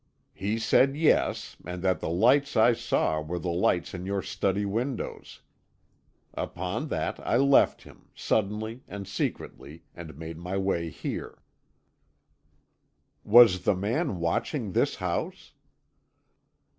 He said yes, and that the lights I saw were the lights in your study windows. Upon that I left him, suddenly and secretly, and made my way here." "Was the man watching this house?"